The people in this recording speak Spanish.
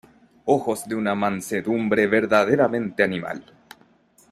ojos de una mansedumbre verdaderamente animal.